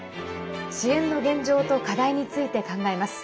支援の現状と課題について考えます。